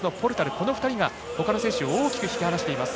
この２人がほかの選手を大きく引き離しています。